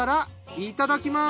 いただきます。